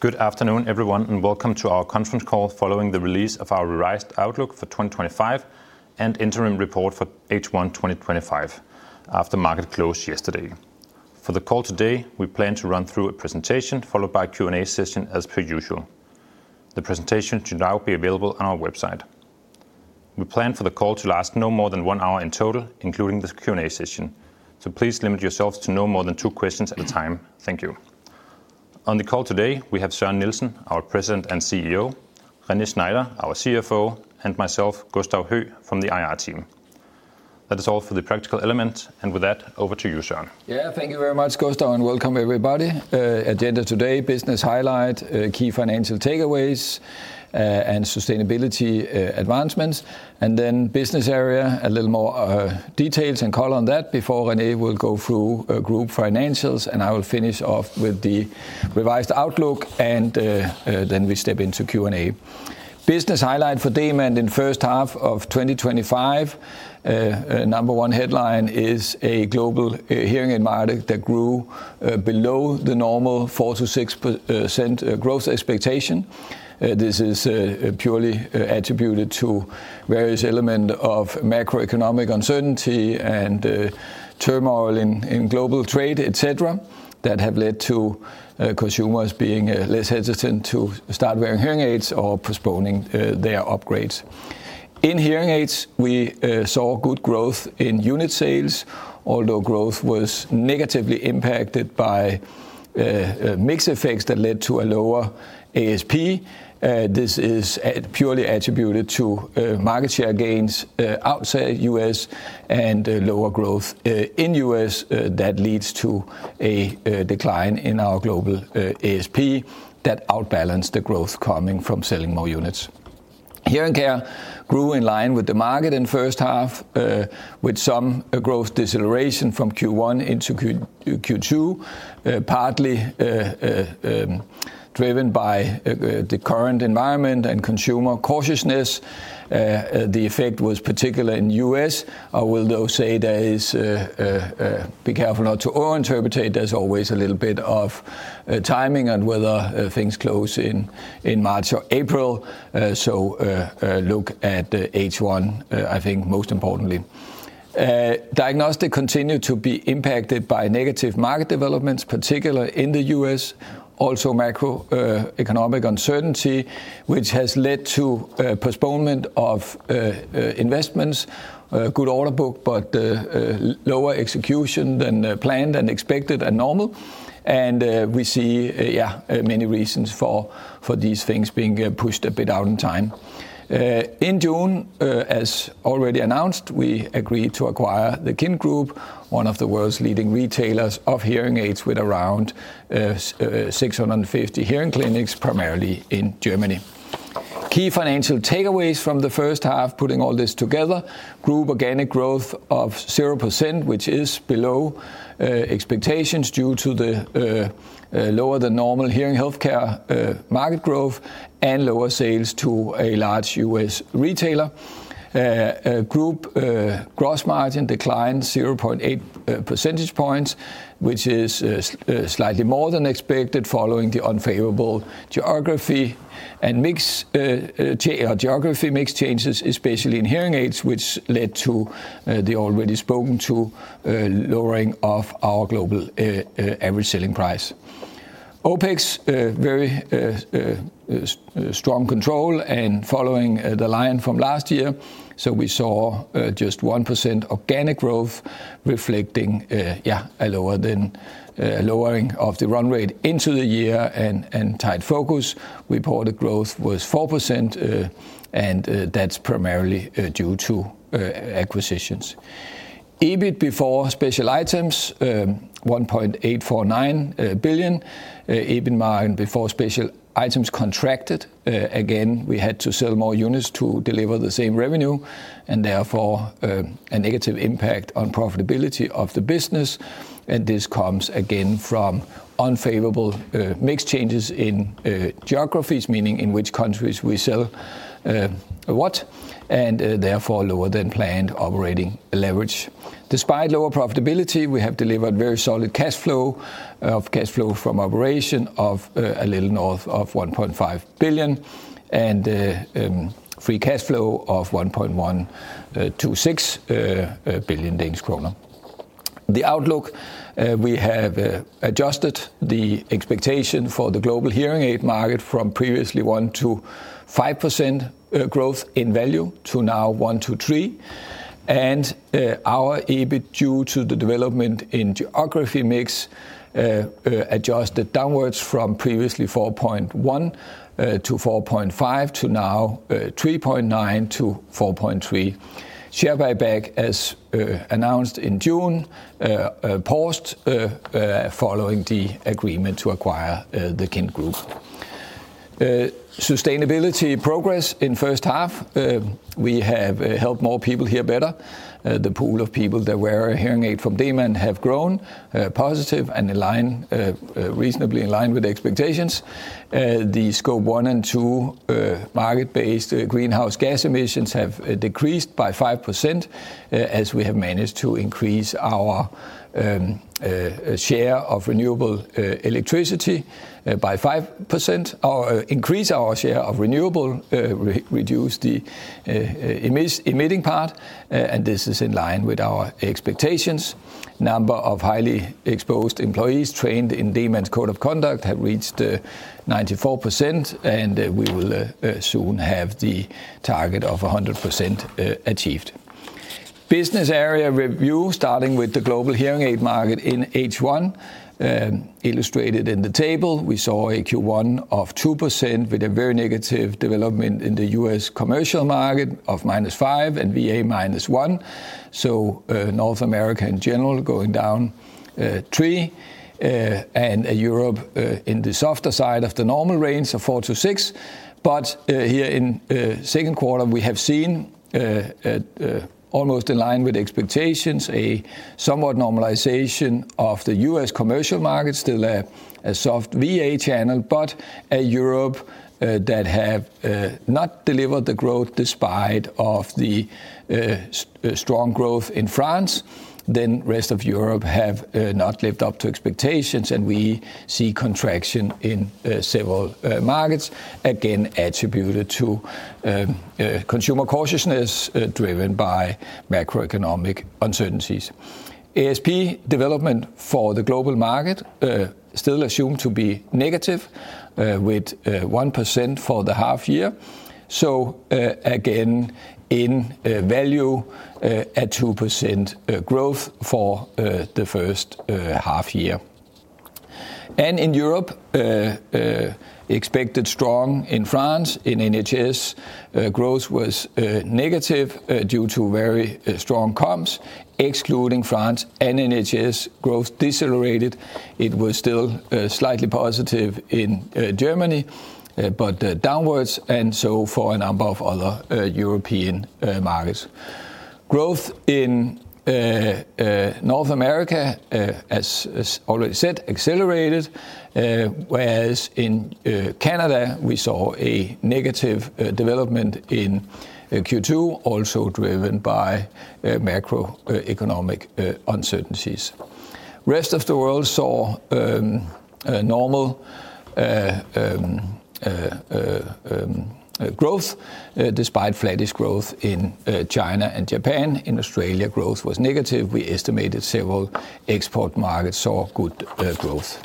Good afternoon everyone, and welcome to our conference call following the release of our IR Outlook for 2025 and Interim Report For H1 2025 after market close yesterday, for the call today we plan to run through a presentation followed by Q&A session as per usual. The presentation should now be available on our website. We plan for the call to last. No more than one hour in total. Including the Q and A session. Please limit yourselves to no more than two questions at a time. Thank you. On the call today we have Søren Nielsen, our President and CEO, René Schneider, our CFO, and myself, Gustav Høegh from the IR team. That is all for the practical element, and with that, over to you, Søren. Yeah, thank you very much Gustav and welcome everybody. Agenda today: business highlight, key financial takeaways and sustainability advancements, and then business area, a little more details and call on that before René will go through group financials and I will finish off with the revised outlook, and then we step into Q and A. Business highlight for Demant in first half of 2025. Number one headline is a global hearing aid that grew below the normal 4%-6% growth expectation. This is purely attributed to various elements of macroeconomic uncertainty and turmoil in global trade, et cetera. that have led to consumers being less hesitant to Hearing Aids or postponing their upgrades. Hearing Aids, we saw good growth in unit sales, although growth was negatively impacted by mix effects that led to a lower ASP. This is purely attributed to market share gains outside U.S. and lower growth in U.S. that leads to a decline in our global ASP that outbalanced the growth coming from selling more units. Hearing Care grew in line with the market in first half with some growth deceleration from Q1 into Q2, partly driven by the current environment and consumer cautiousness. The effect was particular in U.S. I will say be careful not to over interpret. There's always a little bit of timing and whether things close in March or April. Look at the H1. I think most importantly, Diagnostic continued to be impacted by negative market developments, particularly in the U.S. Also macroeconomic uncertainty, which has led to postponement of investments, good order book, but lower execution than planned and expected and normal. We see many reasons for these things being pushed a bit out in time. In June, as already announced, agreed to acquire the KIND Group, one of the world's leading retailers Hearing Aids with around 650 hearing clinics, primarily in Germany. Key financial takeaways from the first half: putting all this together, group organic growth of 0% which is below expectations due to the lower than normal hearing healthcare market growth and lower sales to a large U.S. retailer. Group gross margin declined 0.8 percentage points, which is slightly more than expected following the unfavorable geography and geography mix changes, especially Hearing Aids, which led to the already spoken to lowering of our global average selling price. OPEX's very strong control and following the line from last year so we saw just 1% organic growth reflecting a lower than lowering of the run rate into the year and tight focus. Reported growth was 4% and that's primarily due to acquisitions. EBIT before special items 1.849 billion. EBIT margin before special items contracted again. We had to sell more units to deliver the same revenue and therefore a negative impact on profitability of the business. This comes again from unfavorable mix changes in geographies, meaning in which countries we sell what, and therefore lower than planned operating leverage. Despite lower profitability, we have delivered very solid cash flow from operations of a little north of 1.5 billion and free cash flow of 1.126 billion Danish kroner. The outlook: we have adjusted the expectation for the global hearing aid market from previously 1%-5% growth in value to now 1%-3%, and our EBIT due to the development in geography mix adjusted downwards from previously 4.1 billion-4.5 billion to now 3.9 billion-4.3 billion. Share buyback, as announced in June, paused following the agreement to acquire the KIND Group. Sustainability progress in first half: we have helped more people hear better. The pool of people that wear a hearing aid from Demant have grown positive and reasonably in line with expectations. The Scope 1 and 2 market-based greenhouse gas emissions have decreased by 5% as we have managed to increase our share of renewable electricity by 5% or increase our share of renewable, reduce the emitting part, and this is in line with our expectations. Number of highly exposed employees trained in Demant's code of conduct have reached 94% and we will soon have the target of 100% achieved. Business area review: starting with the global hearing aid market in H1 illustrated in the table, we saw a Q1 of 2% with a very negative development in the U.S. commercial market of -5% and VA -1%. North America in general going down 3% and Europe in the softer side of the normal range of 4%-6%. Here in second quarter, we have seen almost in line with expectations a somewhat normalization of the U.S. commercial market. Still a soft VA channel, but a Europe that have not delivered the growth despite the strong growth in France, then rest of Europe have not lived up to expectations. We see contraction in several markets, again attributed to consumer cautiousness driven by macroeconomic uncertainties. ASP development for the global market still assumed to be negative with 1% for the half year. In value at 2% growth for the first half year. In Europe, expected strong in France, and NHS growth was negative due to very strong comps. Excluding France and NHS, growth decelerated. It was still slightly positive in Germany, but downwards, and for a number of other European markets. Growth in North America, as already said, accelerated. In Canada, we saw a negative development in Q2, also driven by macroeconomic uncertainties. Rest of the world saw normal growth despite flattish growth in China and Japan. In Australia, growth was negative. We estimated several export markets saw good growth.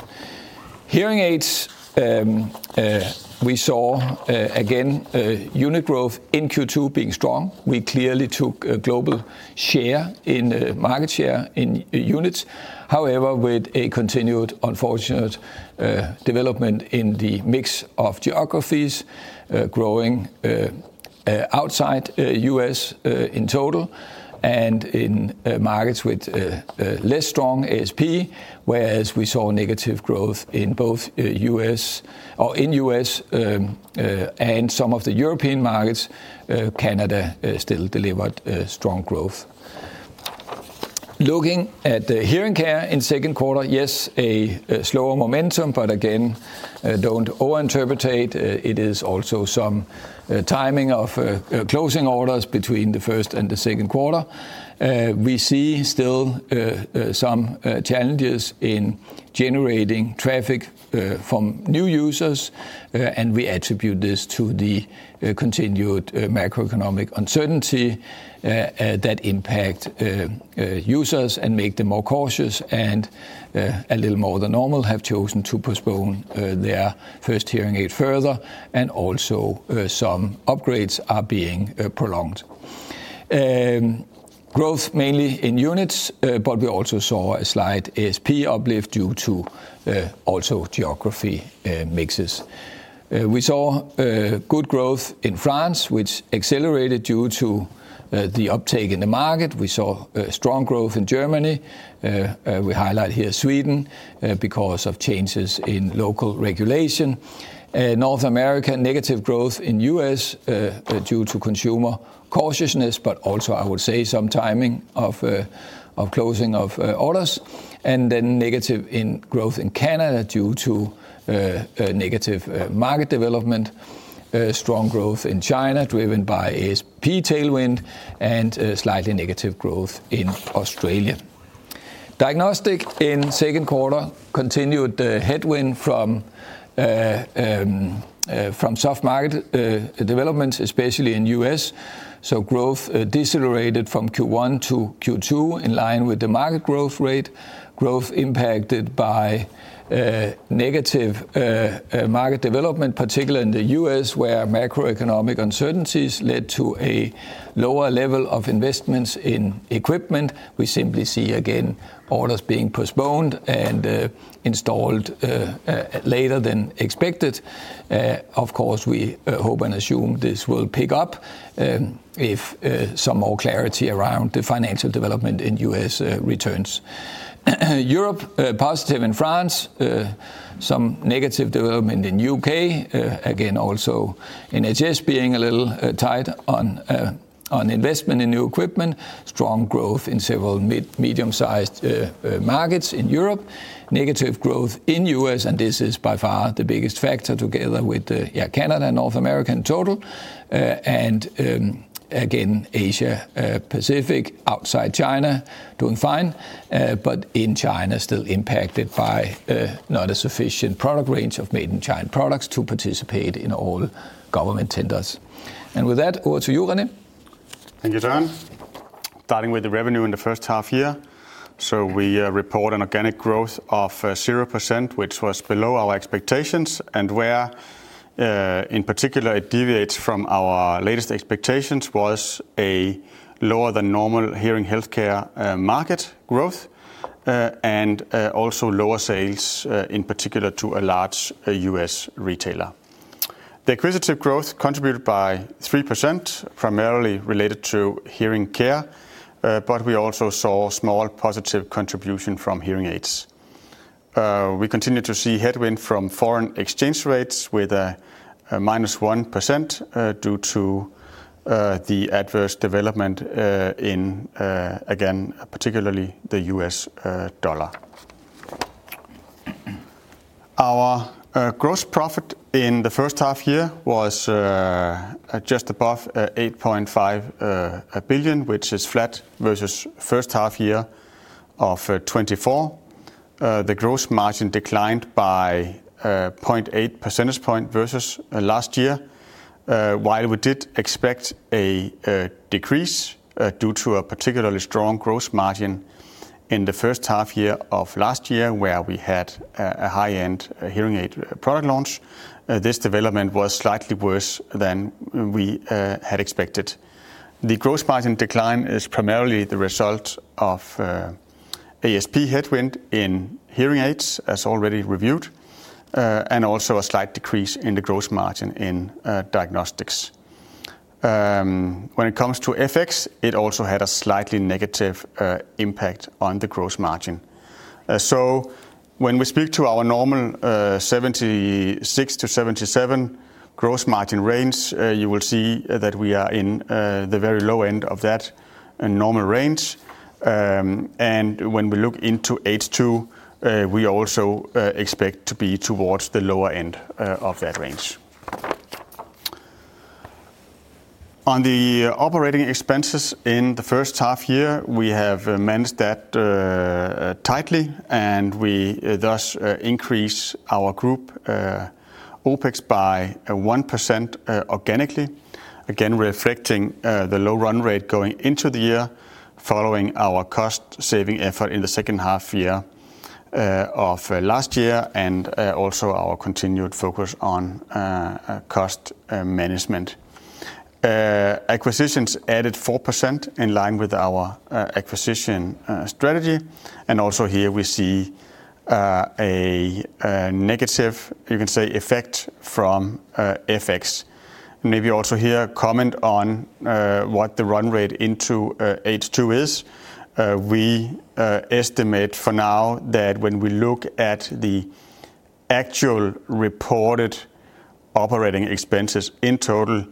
Hearing Aids, we saw again unit growth in Q2 being strong. We clearly took a global share in market share in units. However, with a continuous unfortunate development in the mix of geographies growing outside U.S. in total and in markets with less strong ASP. We saw negative growth in both U.S. and some of the European markets. Canada still delivered strong growth. Looking at the Hearing Care in second quarter, yes, a slower momentum, but don't over interpretate. It is also some timing of closing orders between the first and the second quarter. We see still some challenges in generating traffic from new users, and we attribute this to the continued macroeconomic uncertainty that impact users and make them more cautious, and a little more than normal have chosen to postpone their first hearing aid further, and also some upgrades are being prolonged. Growth mainly in units, but we also saw a slight ASP uplift due to also geography mixes. We saw good growth in France, which accelerated due to the uptake in the market. We saw strong growth in Germany. We highlight here Sweden because of changes in local regulation. North America, negative growth in U.S. due to consumer cautiousness, but also some timing of closing of orders, and then negative growth in Canada due to negative market development. Strong growth in China driven by ASP tailwind and slightly negative growth in Australia. Diagnostic in second quarter continued the headwind from soft market developments, especially in U.S., so growth decelerated from Q1 to Q2 in line with the market growth rate. Growth impacted by negative market development, particularly in the U.S. where macroeconomic uncertainties led to a lower level of investments in equipment. We simply see again orders being postponed, owned and installed later than expected. Of course, we hope and assume this will pick up if some more clarity around the financial development in the U.S. returns. Europe is positive in France, some negative development in the U.K. again, also NHS being a little tight on investment in new equipment. Strong growth in several medium-sized markets in Europe, negative growth in the U.S., and this is by far the biggest factor. Together with Canada and North America in total, Asia Pacific outside China is doing fine, but in China still impacted by not a sufficient product range of made in China products to participate in all government tenders. With that, over to you, René. Thank you, Dan. Starting with the revenue in the first half year, we report an organic growth of 0%, which was below our expectations, and where in particular it deviates from our latest expectations was a lower than normal hearing healthcare market growth and also lower sales in particular to a large U.S. retailer. The acquisitive growth contributed by 3%, primarily related to Hearing Care, but we also saw small positive contribution Hearing Aids. We continue to see headwind from foreign exchange rates with a -1% due to the adverse development in, again, particularly the U.S. dollar. Our gross profit in the first half year was just above 8.5 billion, which is flat versus first half year of 2024. The gross margin declined by 0.8 percentage point versus last year. While we did expect a decrease due to a particularly strong gross margin in the first half year of last year where we had a high-end hearing aid product launch, this development was slightly worse than we had expected. The gross margin decline is primarily the result of ASP headwind Hearing Aids as already reviewed, and also a slight decrease in the gross margin in diagnostics when it comes to FX. It also had a slightly negative impact on the gross margin. When we speak to our normal 76%-77% gross margin range, you will see that we are in the very low end of that normal range, and when we look into H2, we also expect to be towards the lower end of that range. On the operating expenses in the first half year, we have managed that tightly, and we thus increase our group OPEX by 1% organically, again reflecting the low run rate going into the year. Following our cost saving effort in the second half year of last year and also our continued focus on cost management, acquisitions added 4% in line with our acquisition strategy. Also here we see a negative, you can say, effect from FX. Maybe also here comment on what the run rate into H2 is. We estimate for now that when we look at the actual reported operating expenses in total,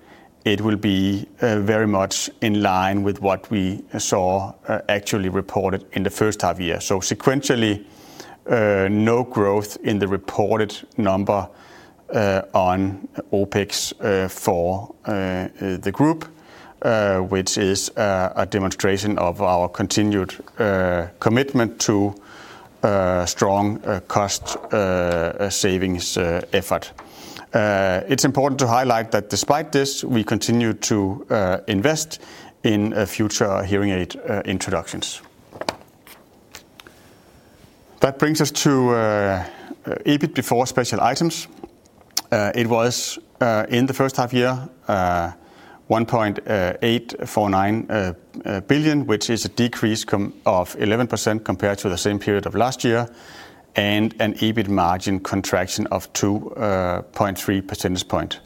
it will be very much in line with what we saw actually reported in the first half year. Sequentially, no growth in the reported number on OPEX for the group, which is a demonstration of our continued commitment to strong cost savings effort. It's important to highlight that despite this, we continue to invest in future hearing aid introductions. That brings us to EBIT before special items. It was in the first half year 1.849 billion, which is a decrease of 11% compared to the same period of last year and an EBIT margin contraction of 2.3 percentage points.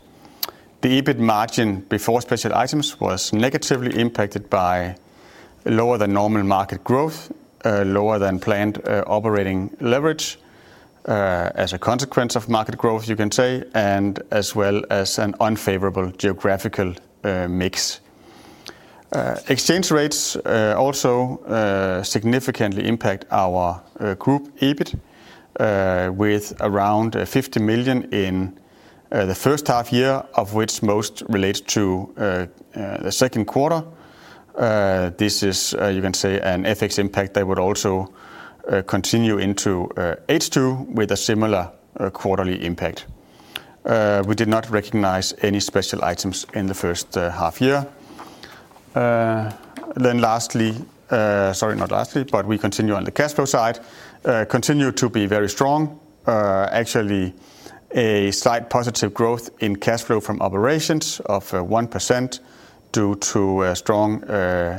The EBIT margin before special items was negatively impacted by lower than normal market growth, lower than planned operating leverage as a consequence of market growth, you can say, as well as an unfavorable geographical mix. Exchange rates also significantly impact our group EBIT with around 50 million in the first half year, of which most relates to the second quarter. This is, you can say, an FX impact that would also continue into H2 with a similar quarterly impact. We did not recognize any special items in the first half year. On the cash flow side, we continue to be very strong, actually a slight positive growth in cash flow from operations of 1% due to strong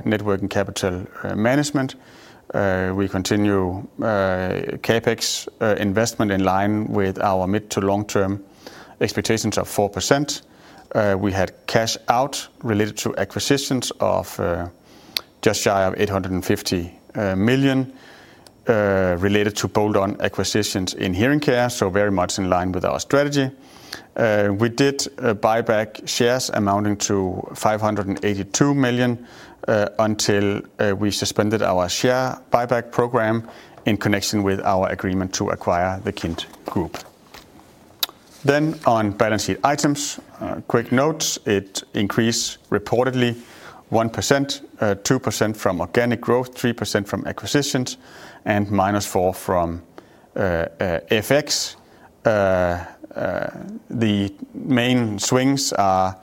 net working capital management. We continue CapEx investment in line with our mid to long term expectations of 4%. We had cash out related to acquisitions of just shy of 850 million related to bolt-on acquisitions in Hearing Care, very much in line with our strategy. We did buy back shares amounting to 582 million until we suspended our share buyback program in connection with our agreement to acquire the KIND Group. On balance sheet items, quick note, it increased reportedly 1%. 2% from organic growth, 3% from acquisitions, and -4% from FX. The main swings are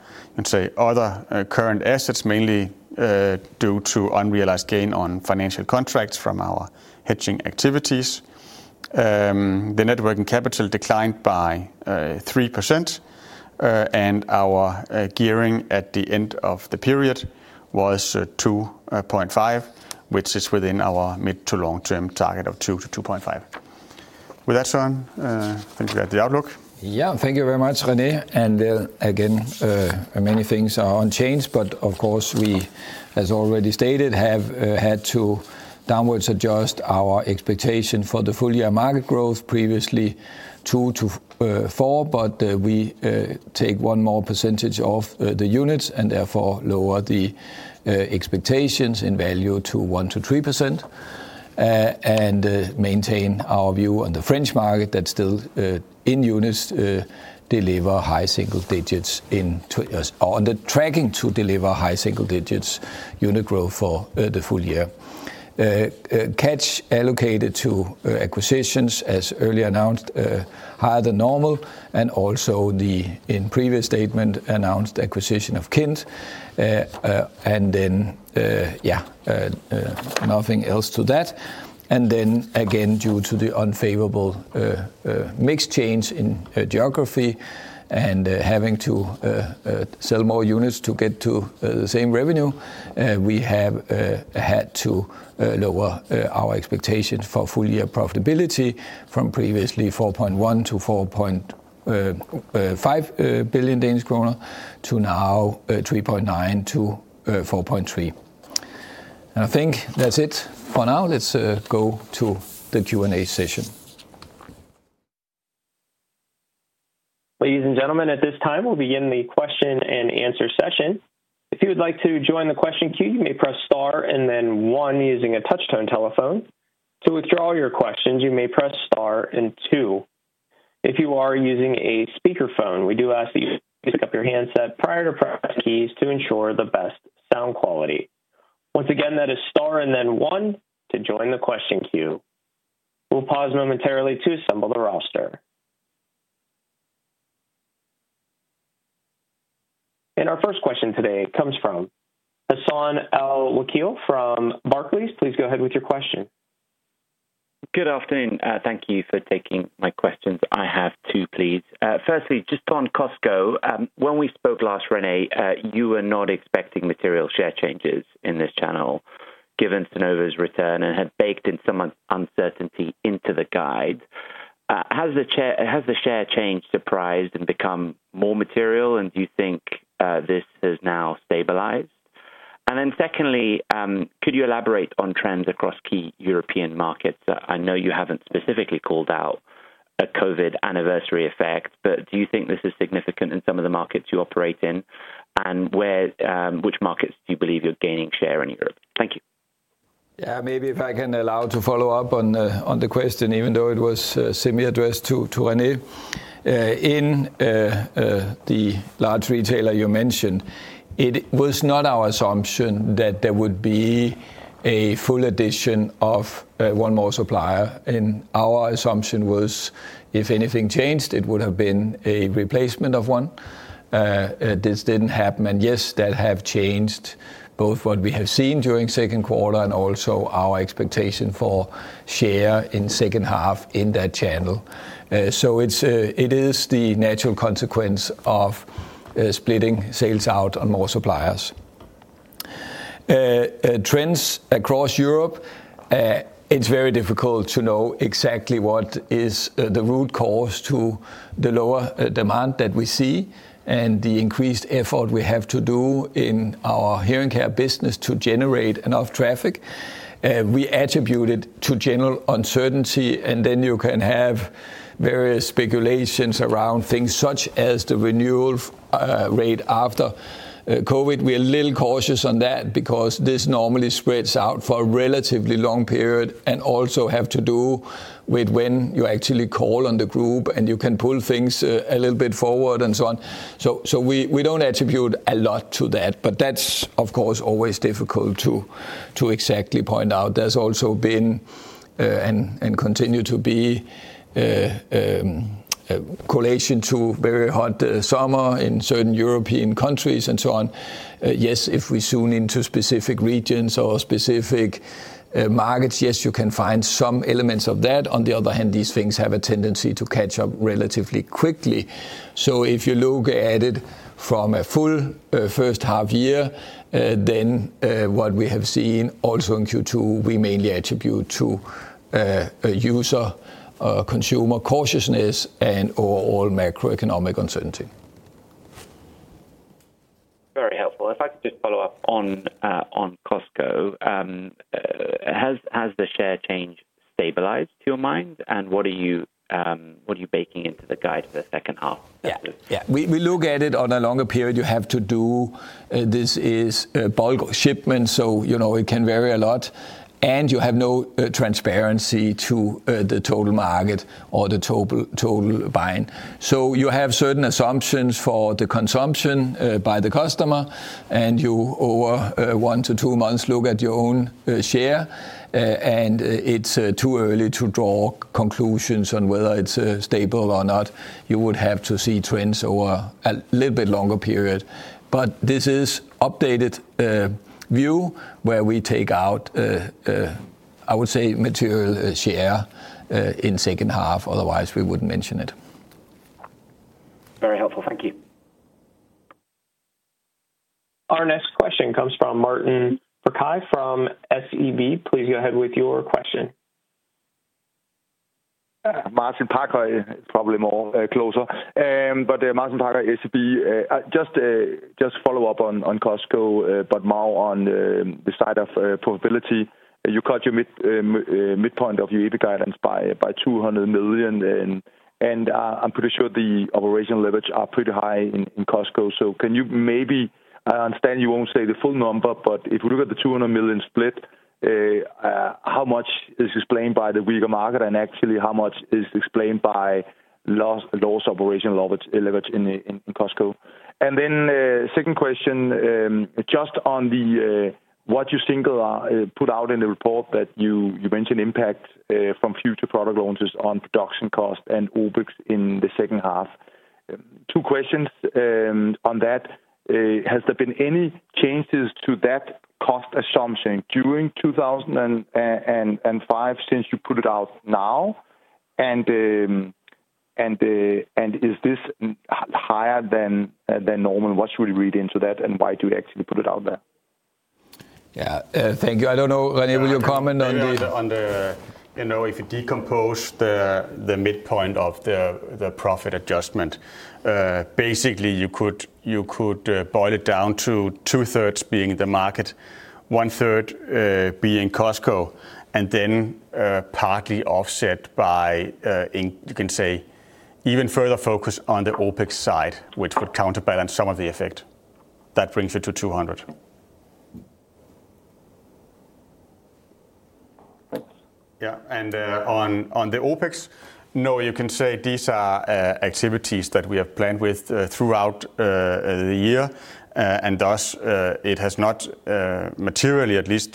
other current assets, mainly due to unrealized gain on financial contracts from our hedging activities. The net working capital declined by 3% and our gearing at the end of the period was 2.5, which is within our mid to long term target of 2-2.5. With that, I think we had the outlook. Yeah, thank you very much, René. Many things are unchanged. Of course, as already stated, we have had to downwards adjust our expectation for the full year market growth, previously 2%-4%. We take one more percentage off the units and therefore lower the expectations in value to 1%-3% and maintain our view of the French market that still in units deliver high single digits, on the tracking to deliver high single digits unit growth for the full year. Cash allocated to acquisitions as earlier announced is higher than normal. Also, the in previous statement announced acquisition of KIND. Nothing else to that. Again, due to the unfavorable mix change, change in geography, and having to sell more units to get to the same revenue, we have had to lower our expectations for full year profitability from previously 4.1 billion-4.5 billion Danish kroner to now 3.9 billion-4.3 billion. I think that's it for now. Let's go to the Q and A session. Ladies and gentlemen. At this time, we'll begin the question and answer session. If you would like to join the question queue, you may press Star and then one using a touch tone telephone. To withdraw your questions, you may press Star and then two. If you are using a speakerphone, we do ask that you pick up your handset prior to pressing keys to ensure the best sound quality. Once again, that is Star and then one to join the question queue. We'll pause momentarily to assemble the roster. Our first question today comes from Hassan Al Wakil from Barclays. Please go ahead with your question. Good afternoon. Thank you for taking my questions. I have two, please. Firstly, just on Costco, when we spoke last, René, you were not expecting material share changes in this channel given Sonova's return and had baked in some uncertainty into the guide. Has the share change surprised and become more material? Do you think this has now stabilized? Secondly, could you elaborate on trends across key European markets? I know you haven't specifically called out a COVID anniversary effect, but do you think this is significant in some of the markets you operate in? Which markets do you believe you're gaining share in Europe? Thank you. Maybe if I can allow to follow up on the question. Even though it was semi addressed to one in the large retailer you mentioned, it was not our assumption that there would be a full addition of one more supplier. Our assumption was if anything changed, it would have been a replacement of one. This didn't happen. Yes, that has changed both what we have seen during second quarter and also our expectations for share in second half in that channel. It is the natural consequence of splitting sales out on more suppliers, trends across Europe. It's very difficult to know exactly what is the root cause to the lower demand that we see and the increased effort we have to do in our Hearing Care business to generate enough traffic. We attribute it to general uncertainty and then you can have various speculations around things such as the renewal rate after COVID. We're a little cautious on that because this normally spreads out for a relatively long period and also has to do with when you actually call on the group and you can pull things a little bit forward and so on. We don't attribute a lot to that. That's of course always difficult to exactly point out. There's also been and continues to be correlation to very hot summer in certain European countries and so on. If we zoom into specific regions or specific markets, you can find some elements of that. On the other hand, these things have a tendency to catch up relatively quickly. If you look at it from a full first half year, then what we have seen also in Q2 we mainly attribute to user consumer cautiousness and overall macroeconomic uncertainty. Very helpful. If I could just follow up on Costco. Has the share change stabilized to your mind, and what are you baking into the guide for the second half? Yeah, we look at it on a longer period. You have to do this in bulk shipment. It can vary a lot, and you have no transparency to the total market or the total buying. You have certain assumptions for the consumption by the customer, and over one month to two months you look at your own share. It's too early to draw conclusions on whether it's stable or not. You would have to see trends over a little bit longer period. This is an updated view where we take out, I would say, material share in the second half, otherwise we wouldn't invest in it. Very helpful, thank you. Our next question comes from Martin Parkhøi from SEB. Please go ahead with your question. Martin Parkhøi is probably more closer but Martin Parkhøi, SEB. Just follow up on Costco but now on the side of probability, you cut your midpoint of your EBIT guidance by 200 million and I'm pretty sure the operational leverage are pretty high in Costco. Can you maybe, I understand you won't say the full number, but if we look at the 200 million split, how much is explained by the weaker market? and actually how much is explained by those operational leverage in Costco? Second question just on what you single put out in the report that you mentioned impact from future product launches on production cost and Uber in the second quarter half? Two questions on that. Has there been any changes to that cost assumption during 2005 since you put it out now and is this higher than normal, what should we read into that and why do we actually put it out there? Thank you. I don't know. René, will you comment on the. If you decompose the midpoint of the profit adjustment, basically you could boil it down to 2/3 being the market, 1/3 being Costco, and then partly offset by, you can say, even further focus on the OPEX side, which would counterbalance some of the effect. That brings you to 200. On the OPEX, you can say these are activities that we have planned throughout the year and thus it has not materially at least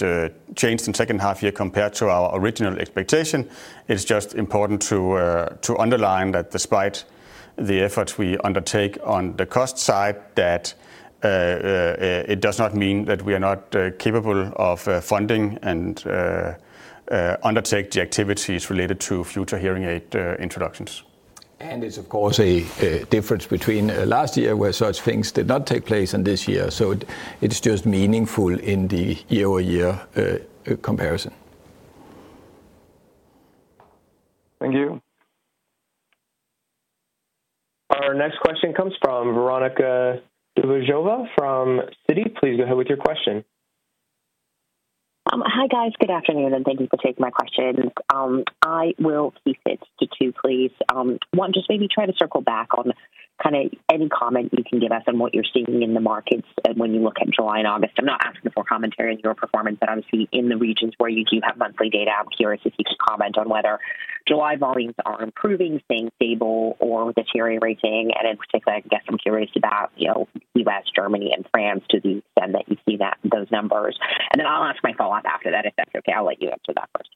changed in the second half year compared to our original expectation. It's just important to underline that despite the efforts we undertake on the cost side, it does not mean that we are not capable of funding and undertake the activities related to future hearing aid introductions. There is of course a difference between last year where such things did not take place and this year. It just means in the year-over-year comparison. Thank you. Our next question comes from Veronika Dubajova from Citi. Please go ahead with your question. Hi guys. Good afternoon and thank you for taking my questions. I will keep it to two please. One, just maybe try to circle back on kind of any comment you can give us on what you're seeing in the markets when you look at July and August. I'm not asking for commentary on your performance, but I'm just in the regions where you do have monthly data. Curious if you can comment on whether July volumes are improving, staying stable, or deteriorating. In particular, I guess I'm curious about U.S., Germany, and France to the extent that you see those numbers. I'll ask my follow-up after that if that's okay. I'll let you answer that first.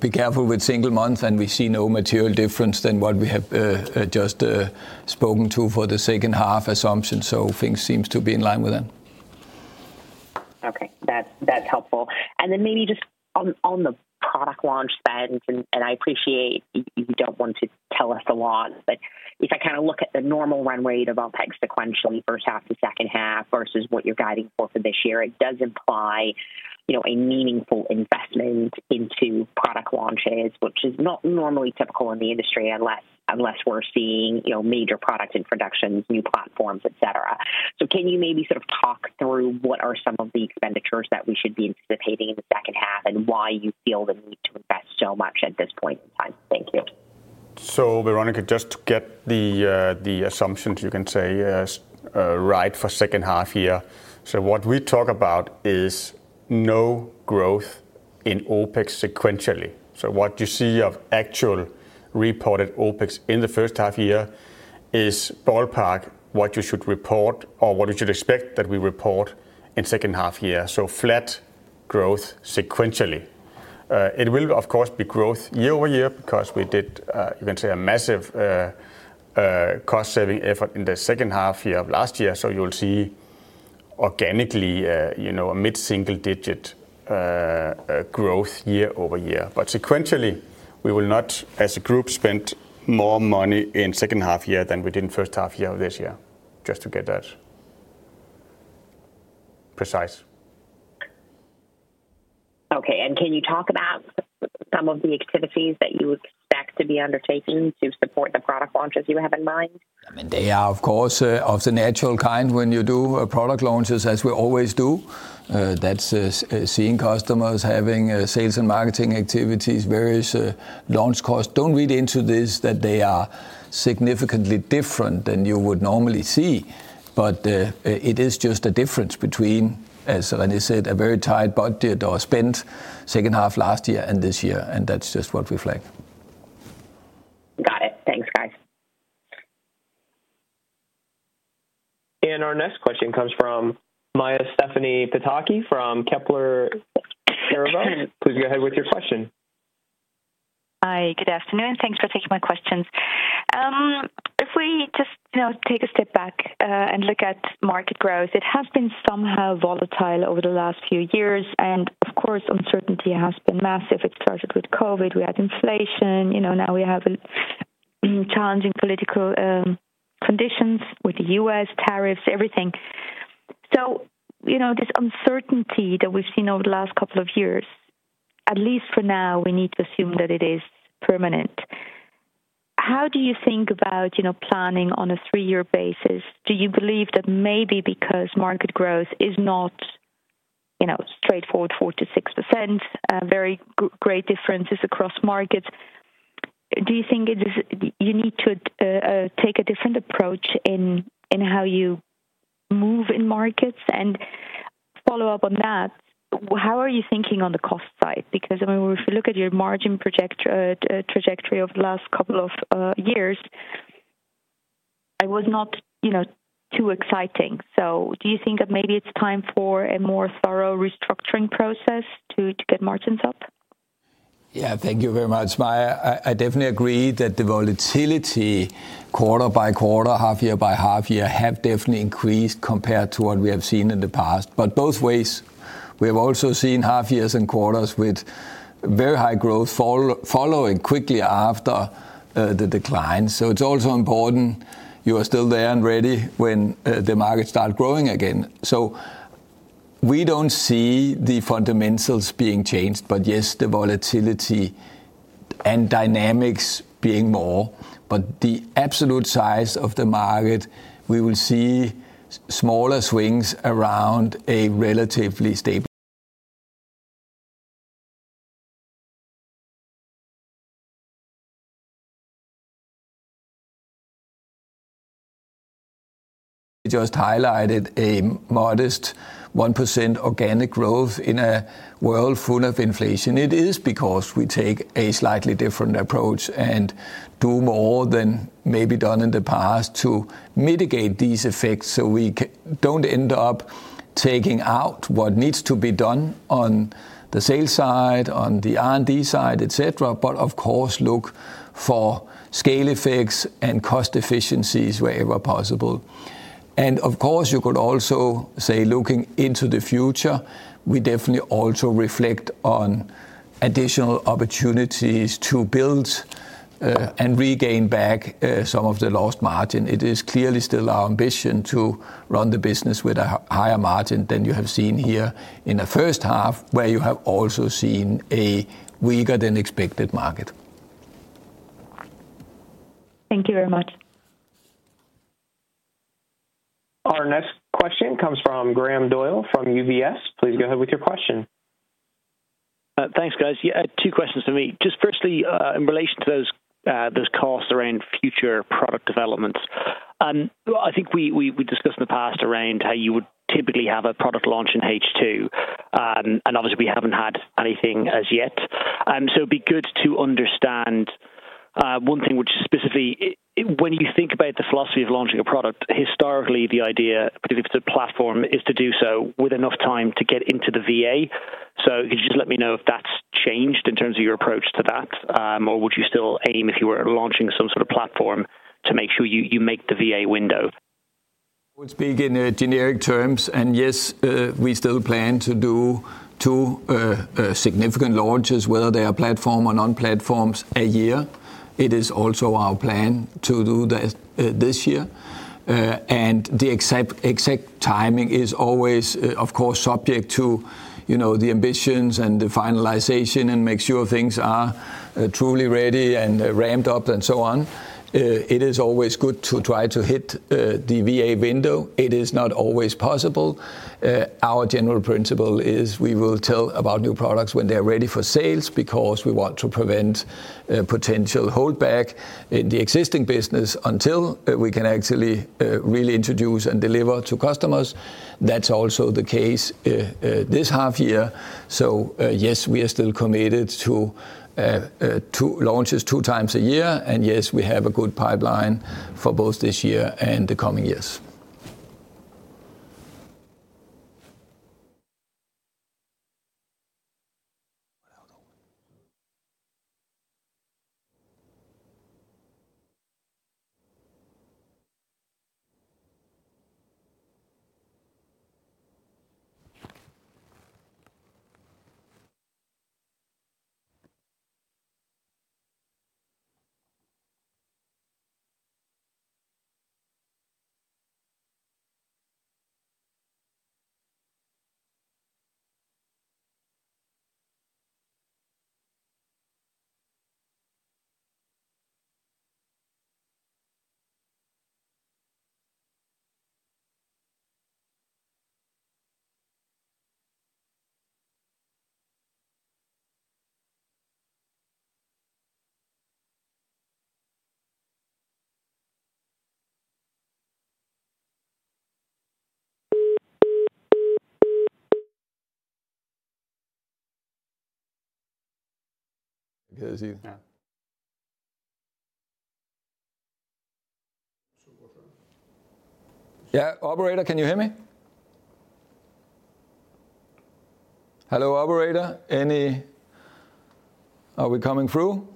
Be careful with single month. We see no material difference than what we have just spoken to for the second half assumption. Things seem to be in line within. Okay, that's helpful. Maybe just on the product launch then. I appreciate if you don't want to tell us a lot, but if I kind of look at the normal run rate of OPEX sequentially, first half to second half versus what you're guiding for this year, it does imply a meaningful investment into product launches, which is not normally typical in the industry unless we're seeing major product introductions, new platforms, et cetera. Can you maybe sort of talk through what are the expenditures that we should be anticipating in the second half? and why you feel the need to invest so much at this point in time? Thank you. Veronika, just to get the assumptions you can say right for second half here. What we talk about is no growth in OPEX sequentially. What you see of actual reported OPEX in the first half year is ballpark what you should report or what you should expect that we report in second half year. Flat growth sequentially, it will of course be growth year over year because we did, you can say, a massive cost saving effort in the second half year of last year. You'll see organically, you know, a mid single digit growth year over year. Sequentially we will not as a group spend more money in second half year than we did in first half year of this year. Just to get that precise. Okay. Can you talk about some of the activities that you expect to be undertaking to support the product launches you have in mind? I mean they are of course of the natural kind when you do product launches, as we always do, that's seeing customers having sales and marketing activities, various launch costs. Don't read into this that they are significantly different than you would normally see. It is just a difference between, as René said, a very tight budget or spent second half last year and this year. That's just what we flag. Our next question comes from Maja Pataki from Kepler Cheuvreux, please go ahead with your question. Hi, good afternoon. Thanks for taking my questions. If we just take a step back and look at market growth, it has been somehow volatile over the last few years and of course uncertainty has been massive. It started with COVID, we had inflation. Now we have been challenging political conditions with the U.S. tariffs, everything. This uncertainty that we've seen over the last couple of years, at least for now, we need to assume that it is permanent. How do you think about planning on a three-year basis? Do you believe that maybe because market growth is not straightforward, 4%-6%, very great differences across markets, you need to take a different approach in how you move in markets? Following up on that, how are you thinking on the cost side? If you look at your margin trajectory over the last couple of years, it was not, you know, too exciting. Do you think that maybe it's time for a more thorough restructuring process to get margins up? Yeah, thank you very much, Maja. I definitely agree that the volatility quarter-by-quarter, half-year-by-half-year, has definitely increased compared to what we have seen in the past. Both ways, we have also seen half years and quarters with very high growth following quickly after the decline. It is also important you are still there and ready when the market starts growing again. We don't see the fundamentals being changed. Yes, the volatility and dynamics are more, but the absolute size of the market, we will see smaller swings around a relatively stable. I just highlighted a modest 1% organic growth in a world full of inflation. It is because we take a slightly different approach and do more than maybe done in the past to mitigate these effects so we don't end up taking out what needs to be done on the sales side, on the R&D side, et cetera. We look for scale effects and cost efficiencies wherever possible. Of course, you could also say looking into the future, we definitely also reflect on additional opportunities to build and regain back some of the lost margin. It is clearly still our ambition to run the business with a higher margin than you have seen here in the first half, where you have also seen a weaker than expected. Thank you very much. Our next question comes from Graham Doyle from UBS. Please go ahead with your question. Thanks guys. Yeah, two questions for me. Just firstly in relation to those costs around future product developments, I think we discussed in the past around how you would typically have a product launch in H2 and obviously we haven't had anything as yet. It'd be good to understand one thing which specifically when you think about the philosophy of launching a product historically, the idea, because if it's a platform, is to do so with enough time to get into the VA. Could you just let me know if that's changed in terms of your approach to that or would you still aim if you were launching some sort of platform to make sure you make the VA window? We speak in generic terms, and yes, we still plan to do two significant launches, whether they are platform or non-platforms, a year. It is also our plan to do that this year, and the exact timing is always, of course, subject to the ambitions and the finalization and make sure things are truly ready and ramped up and so on. It is always good to try to hit the VA window. It is not always possible. Our general principle is we will tell about new products when they're ready for sales because we want to prevent potential holdback in the existing business until we can actually really introduce and deliver to customers. That's also the case this half year. Yes, we are still committed to launches two times a year, and yes, we have a good pipeline for both this year and the coming years. Operator, can you hear me? Hello, operator, are we coming through?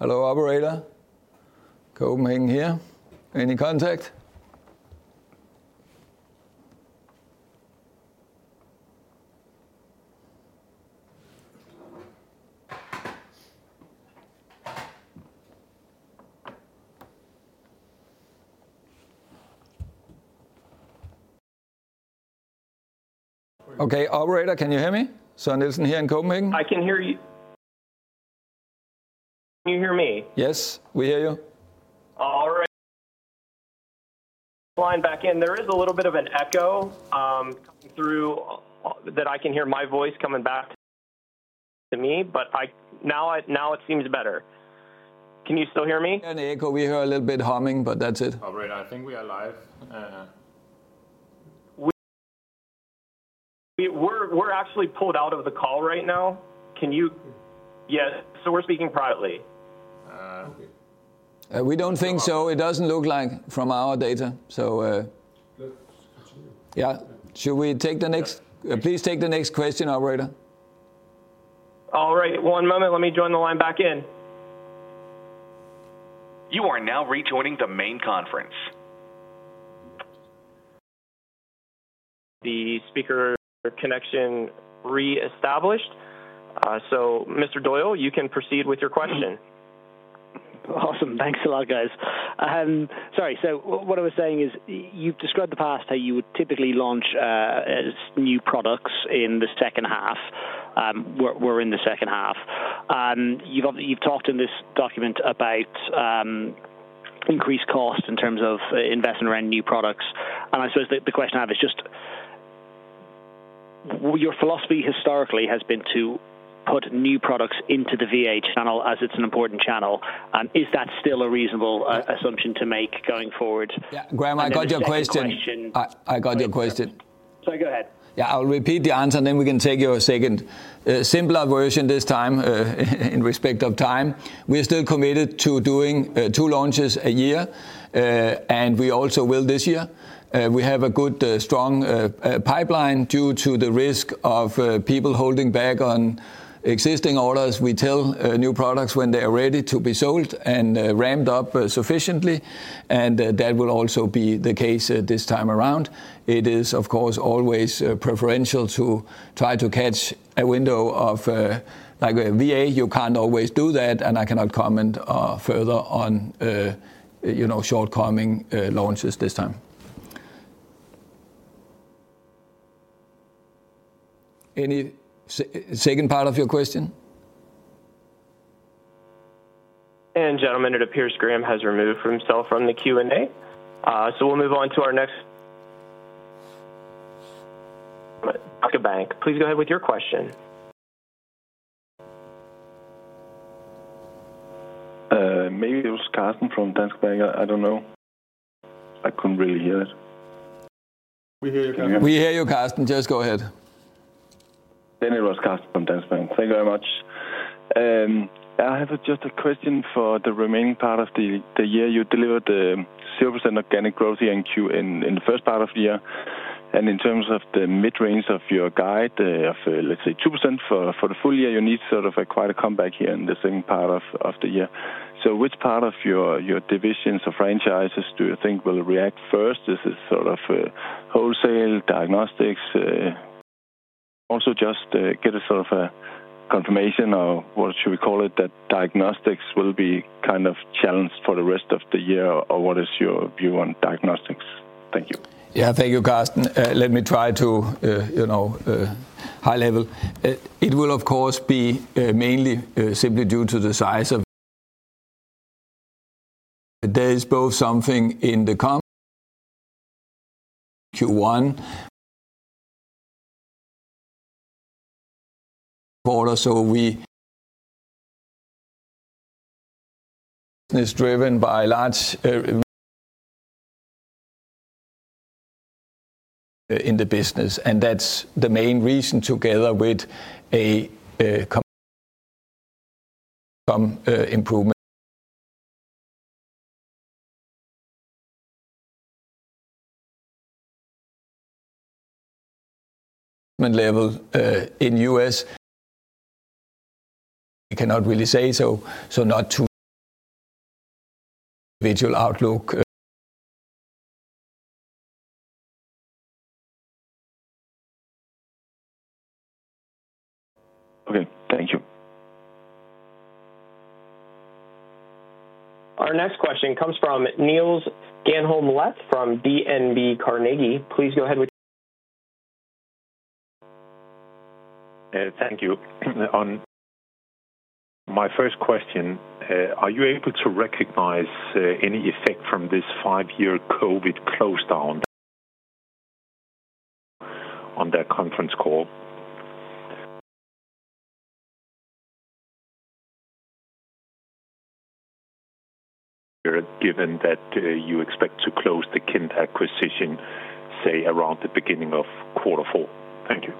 Hello, operator, Copenhagen here. Any contact? Operator, can you hear me? I'm here in Copenhagen. I can hear you. Can you hear me? Yes, we hear you. All right. Flying back in. There is a little bit of an echo through that. I can hear my voice coming back to me, but now it seems better. Can you still hear me? We hear a little bit of humming, but that's it. All right. I think we are live. We're actually pulled out of the call right now. Can you? Yeah, we're speaking privately. We don't think so. It doesn't look like from our data. Should we take the next? Please take the next question. Alright. All right. One moment, let me join the line back in. You are now rejoining the main conference. The speaker connection reestablished. Mr. Doyle, you can proceed with your question. Awesome. Thanks a lot, guys. Sorry. What I was saying is you've described in the past how you would typically launch new products in the second half. We're in the second half. You've talked in this document about increased cost in terms of investment around new products. I suppose the question I have is just your philosophy historically has been to put new products into the VA channel, as it's an important channel. Is that still a reasonable assumption to make going forward? Graham, I got your question. Sorry, go ahead. Yeah, I'll repeat the answer and then we can take you a second simpler version this time. In respect of time, we're still committed to doing two launches a year. We also will this year. We have a good strong pipeline due to the risk of people holding back on existing orders. We tell new products when they are ready to be sold and ramped up sufficiently. That will also be the case this time around. It is of course always preferential to try to catch a window of like a VA. You can't always do that. I cannot comment further on, you know, shortcoming launches this time. Any second part of your question? Gentlemen, it appears Graham has removed himself from the Q&A. We'll move on to our next docket. Bank, please go ahead with your question. Maybe it was Carsten from Danske Bank. I don't know. I couldn't really hear that. We hear you. We hear you, Carsten. Just go ahead. Thank you very much. I have just a question. For the remaining part of the year, you delivered the 0% organic growth in the first part of the year. In terms of the mid range of your guide, let's say 2% for the full year, you need quite a comeback here in the same part of the year. Which part of your divisions or franchises do you think will react first? Is this wholesale diagnostics? I also just want to get a confirmation or what should we call it, that diagnostics will be kind of challenged for the rest of the year, or what is your view on diagnostics? Thank you. Yeah, thank you. Carsten. Let me try to, you know, high level. It will of course be mainly simply due to the size of. There is both something in the comp Q1 quarter. So it is driven by large in the business and that's the main reason together with some improvement level in U.S. I cannot really say, so not to visual outlook. Okay, thank you. Our next question comes from Niels Granholm-Leth from Carnegie. Please go ahead. Thank you. On my first question, are you able to recognize any effect from this five year COVID clock close down on that conference call given that you expect to close the KIND Group acquisition say around the beginning of quarter four? Thank you.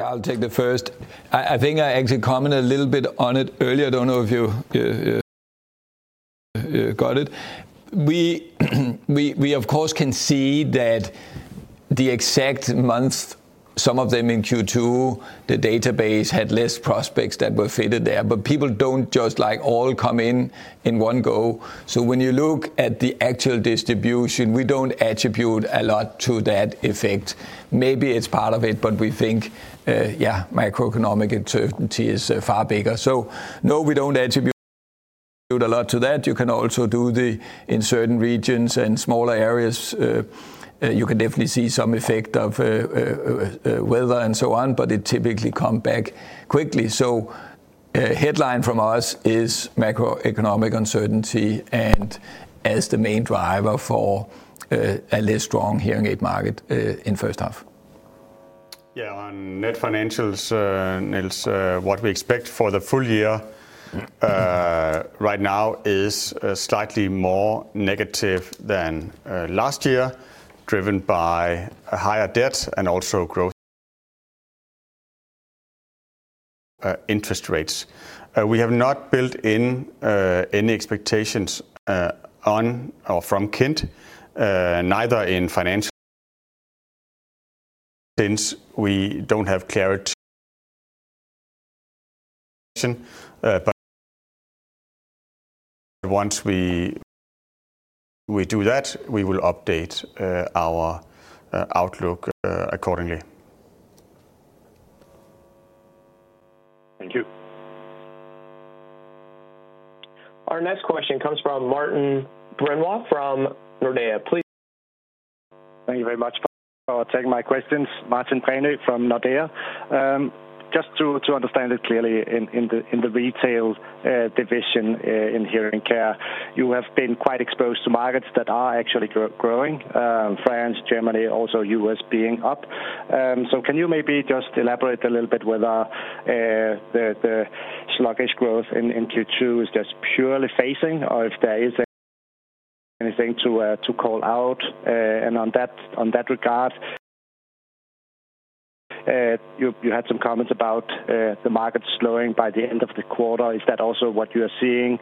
I'll take the first. I think I actually commented a little bit on it earlier. I don't know if you got it. We of course can see that the exact month some of them in Q2 the database had less prospects that were fitted there. People don't just all come in in one go. When you look at the actual distribution, we don't attribute a lot to that effect. Maybe it's part of it, but we think, yeah, macroeconomic uncertainty is far bigger. We don't attribute a lot to that. You can also, in certain regions and smaller areas, definitely see some effect of weather and so on, but it typically comes back quickly. A headline from us is macroeconomic uncertainty as the main driver for a less strong hearing aid market in first half. Yeah. On net financials, Niels, what we expect for the first full year right now is slightly more negative than last year, driven by higher debt and also growth interest rates. We have not built in any expectations on or from KIND, neither in financials since we don't have that yet. Once we do that, we will update our outlook accordingly. Thank you. Our next question comes from Martin Brenøe from Nordea. Thank you very much for taking my questions. Martin Brenøe from Nordea. Just to understand it clearly, in the retail division in Hearing Care you have been quite exposed to markets that are actually growing. France, Germany, also U.S. being up. Can you maybe just elaborate a little bit whether the sluggish growth in Q2 is just purely phasing or if there is anything to call out? In that regard, you had some comments about the market slowing by the end of the quarter. Is that also what you are seeing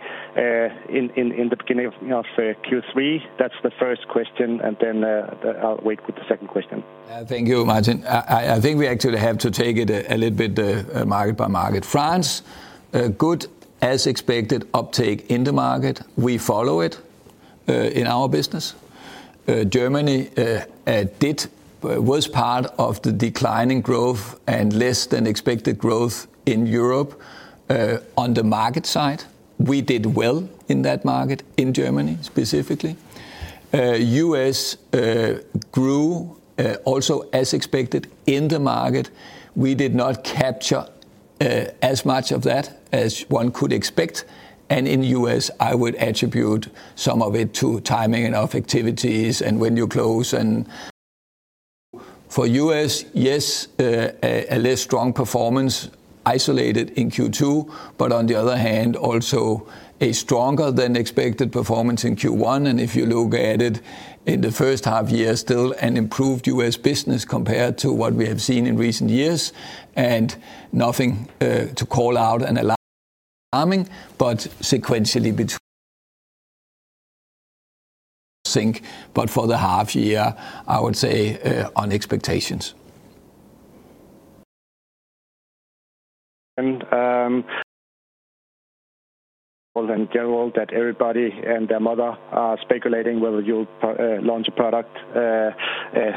in the beginning of Q3? That's the first question and then I'll wait with the second question. Thank you, Martin. I think we actually have to take it a little bit market-by-market. From France, good as expected uptake in the market. We follow it in our business. Germany was part of the declining growth and less than expected growth in Europe. On the market side, we did well in that market. In Germany specifically, U.S. grew also as expected in the market. We did not get capture as much of that as one could expect. In U.S., I would attribute some of it to timing and of activities and when you close. For U.S., yes, a less strong performance isolated in Q2, but on the other hand, also a stronger than expected performance in Q1. If you look at it in the first half year, still an improved U.S. business compared to what we have seen in recent years. Nothing to call loud and alarming sequentially, but for the half year, I would say on expectations. Everyone and their mother are speculating whether you'll launch a product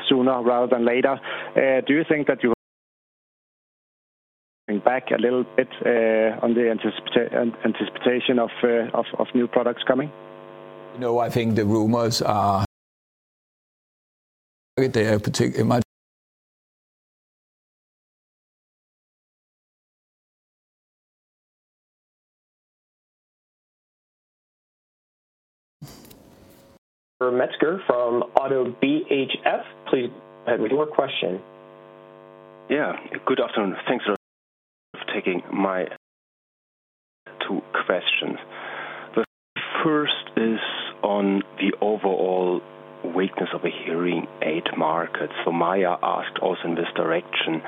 sooner rather than later. Do you think that you back a little bit on the anticipation of new products coming? No, I think the rumors are particular. Metzger from Auto BHFS. Jeff, please. add me to a question. Yeah, good afternoon. Thanks for taking my two questions. The first is on the overall weakness of a hearing aid market. Maja asked also in this direction.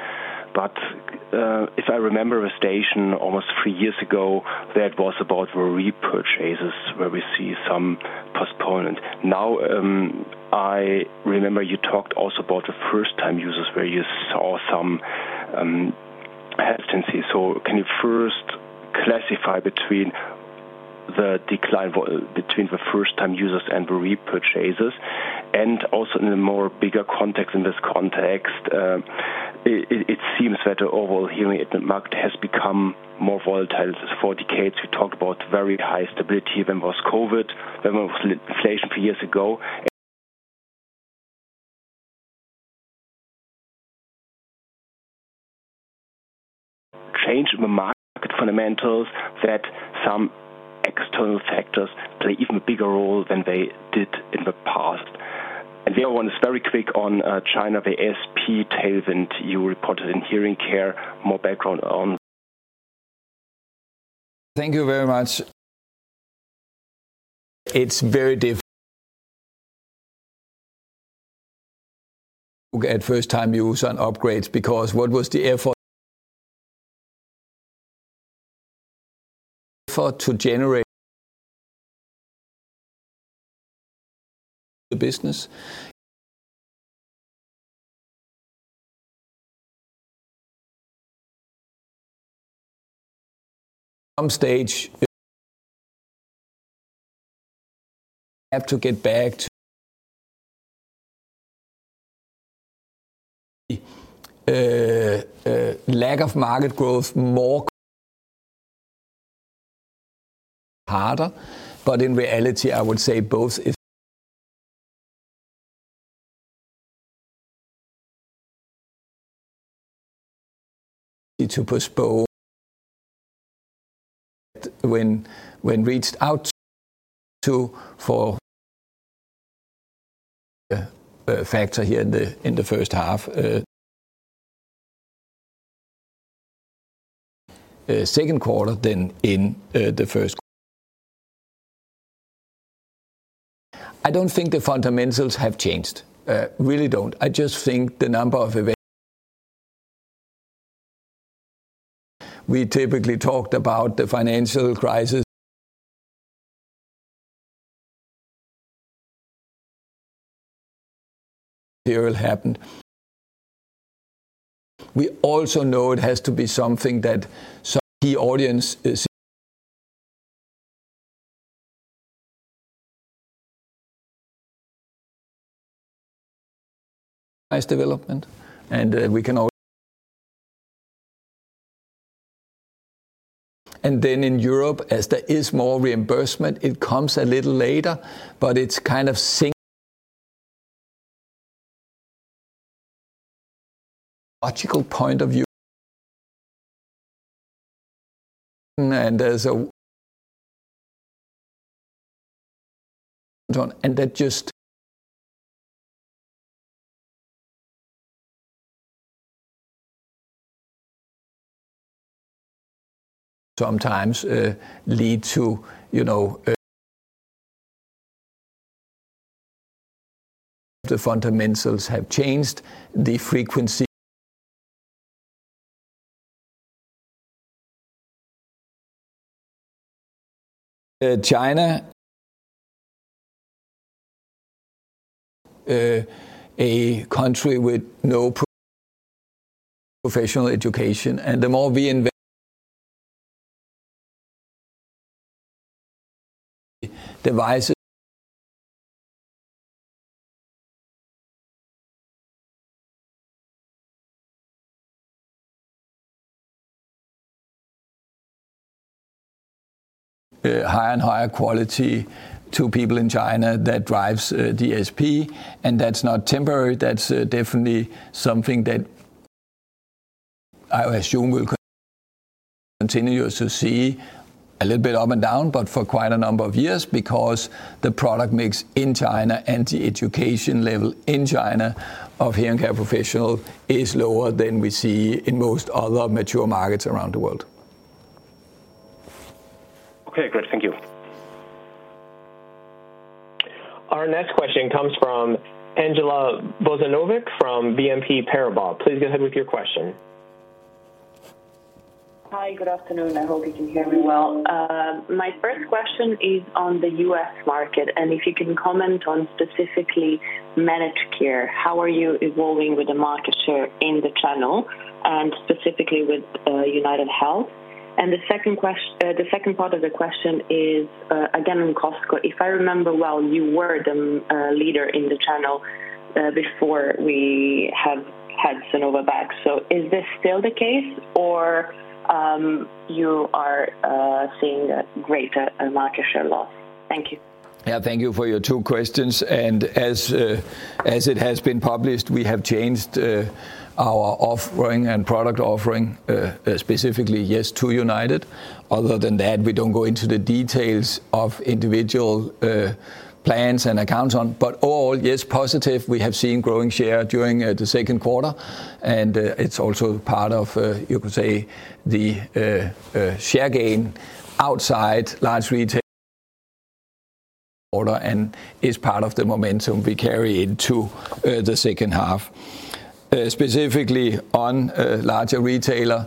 If I remember the situation almost three years ago, that was about repurchases where we see some postponement. I remember you talked also about the first time users where you saw some hesitancy. Can you first classify between the decline between the first time users and the repurchasers? Also, in a bigger context, it seems that the overall hearing aid market has become more volatile. For decades, we talked about very high stability. When COVID was there, there were signs to change the market fundamentals, that some external factors play even a bigger role than they did in the past. The other one is very quick on China, the ASP tailwind you reported in Hearing Care. More background on. Thank you very much. It's very difficult at first time use on upgrades because what was the effort to generate the business some stage have to get backed lack of market growth more harder. In reality, I would say both to postpone when reached out to four factor here in the first half second quarter than in the first. I don't think the fundamentals have changed. Really don't. I just think the number of events we typically talked about the financial crisis material happened. We also know it has to be something that some key audience is nice development and we can all and then in Europe as there is more reimbursement it comes a little later, but it's kind of sync point of view and there's a don't and that just sometimes lead to, you know, the fundamentals have changed different frequency. China, a country with no professional education and the more we invest devices higher and higher quality to people in China that drives DSP and that's not temporary. That's definitely something that I assume will continue to see a little bit up and down, but for quite a number of years because the product mix in China and the education level in China of Hearing Care professional is lower than we see in most other mature markets around the world. Okay, great. Thank you. Our next question comes from Andjela Bozinovic from BNP Paribas. Please go ahead with your question. Hi, good afternoon. I hope you can hear me. My first question is on the U.S. market and if you can comment on specifically managed care. How are you evolving with the market share in the channel and specifically with UnitedHealth. The second part of the question is again in Costco. If I remember well you were the leader in the channel before we had Sonova back. Is this still the case or are you seeing a greater amount of market share loss? Thank you. Thank you for your two questions. As it has been published, we have changed our offering and product offering specifically, yes, to United. Other than that, we don't go into the details of individual plans and accounts, but all, yes, positive. We have seen growing share during the second quarter, and it's also part of, you could say, the share gain outside large retail order and is part of the momentum we carry into the second half, specifically on a larger retailer.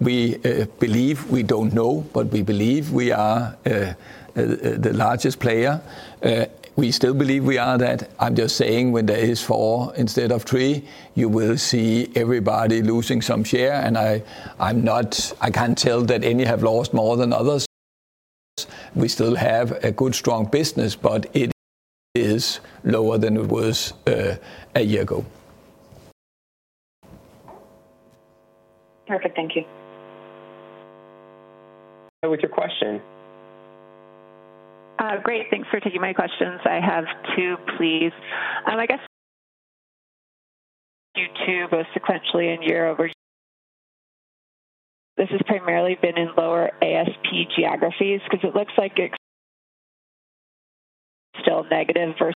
We believe, we don't know, but we believe we are the largest player. We still believe we are that. I'm just saying when there is four instead of three, you will see everybody losing some share, and I can't tell that any have lost more than others. We still have a good strong business, but it is lower than it was a year ago. Perfect. Thank you For your question. Great. Thanks for taking my questions. I have two, please. I guess you two both sequentially year over year. This has primarily been in lower ASP geographies because it looks like it's still negative for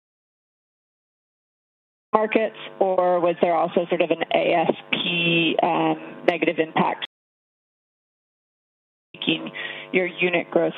markets, or was there also sort of an ASP negative impact to your unit growth?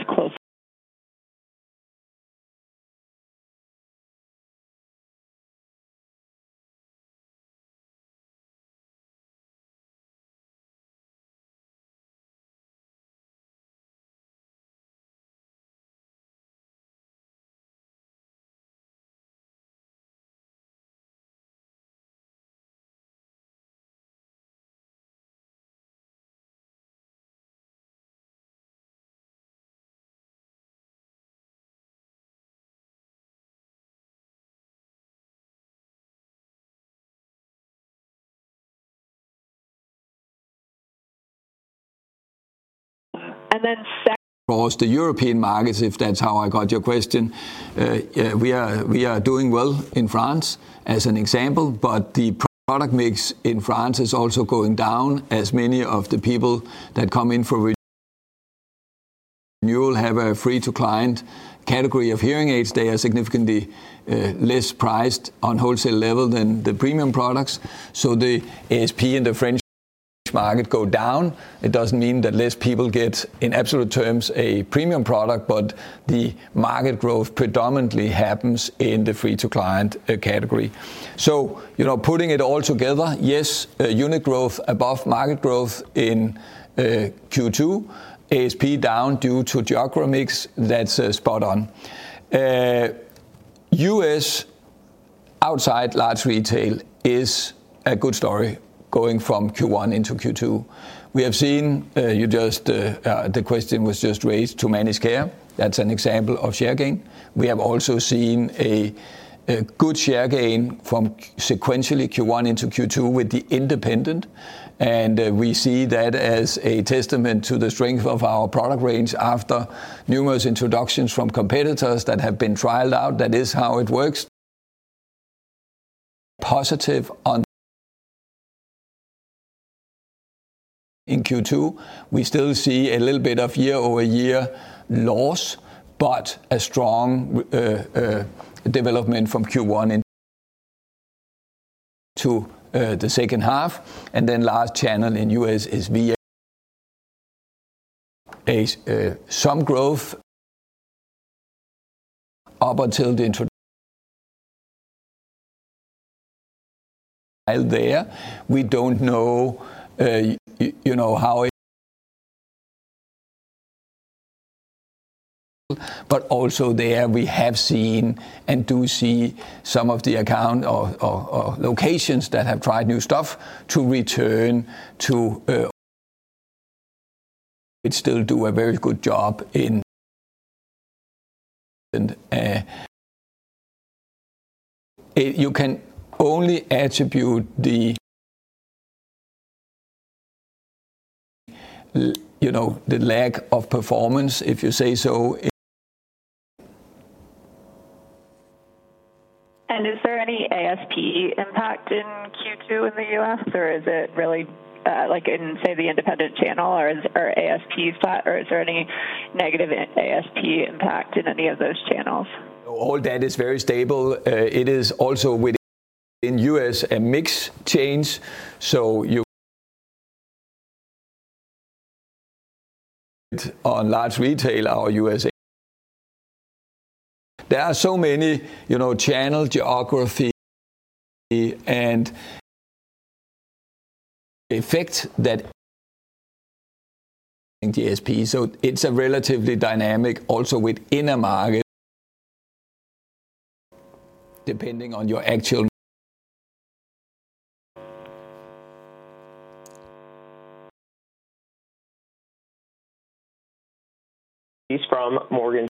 The European markets, if that's how I got your question. We are doing well in France as an example, but the product mix in France is also going down as many of the people that come in for you have a free to client category Hearing Aids. They are significantly less priced on wholesale level than the premium products, so the ASP in the French market goes down. It doesn't mean that less people get in absolute terms a premium product, but the market growth predominantly happens in the free to client category. You know, putting it all together, yes, unit growth above market growth in Q2, ASP down due to geographics. That's spot on. U.S. outside large retail is a good story going from Q1 into Q2. We have seen the question was just raised to managed care. That's an example of share gain. We have also seen a good share gain from sequentially Q1 into Q2 with the independent, and we see that as a testament to the strength of our product range after numerous introductions from competitors that have been trialed out. That is how it works. Positive on in Q2, we still see a little bit of year-over-year loss, but a strong development from Q1 to the second half. Then last channel in U.S. is we see some growth up until the there. We don't know, you know, how it, but also there we have seen and do see some of the account or locations that have tried new stuff to return to it, still do a very good job in, and you can only attribute the, you know, the lack of performance if you say so. Is there any ASP impact in Q2 in the U.S.? or is it really like in, say, the independent channel? or ASP flat, or is there any negative ASP impact in any of Those channels? All that is very stable. It is also within U.S. a mix change, so you on large retail or U.S.A., there are so many, you know, channels, geography, and effect that, so it's relatively dynamic also within a market depending on your actual. He's from Morgan.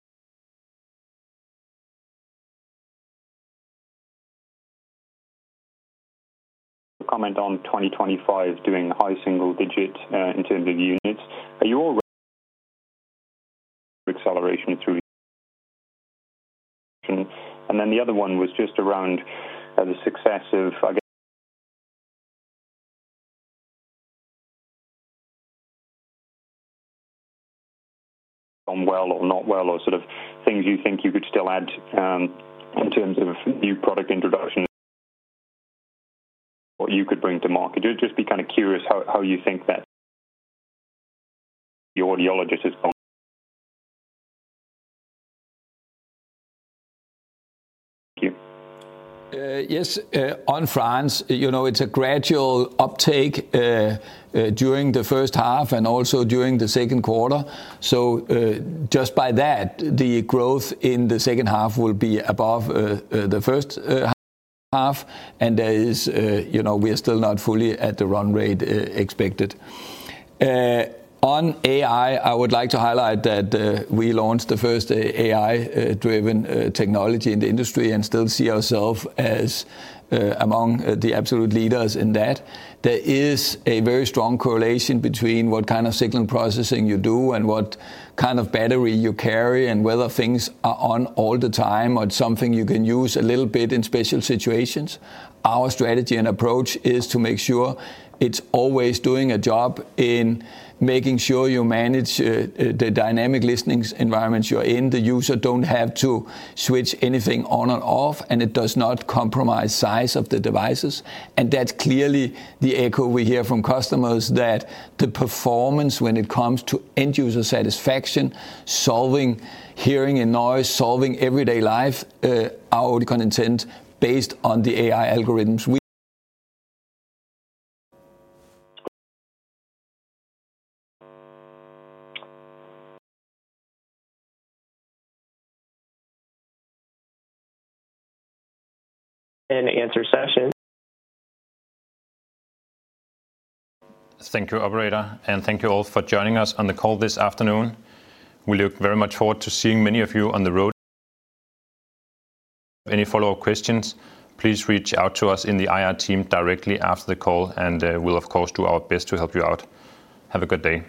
A comment on 2025 doing high single digit in terms of units, your acceleration through, and then the other one was just around the success, well or not well, or sort of things you think you could still add in terms of a new product introduction, what you could bring to market. I'd just be kind of curious how you think that the audiologist is going? Yes, on France, you know it's a gradual uptake during the first half and also during the second half quarter. Just by that, the growth in the second half will be above the first half, and there is, you know, we are still not fully at the run rate expected. On AI I would like to highlight that we launched the first AI-driven technology in the industry and still see ourselves as among the absolute leaders in that. There is a very strong correlation between what kind of signal processing you do and what kind of battery you carry and whether things are on all the time or something you can use a little bit in special situations. Our strategy and approach is to make sure it's always doing a job in making sure you manage the dynamic listening environments you're in. The user doesn't have to switch anything on and off, and it does not compromise size of the devices, and that's clearly the echo we hear from customers, that the performance when it comes to end user satisfaction, solving hearing in noise, solving everyday life, our Oticon Intent based on the AI algorithms, we. and Answer session. Thank you, Operator, and thank you all for joining us on the call this afternoon. We look very much forward to seeing many of you on the road. Any follow-up questions, please reach out to us in the IR team directly after the call, and we'll of course do our best to help you out. Have a good day.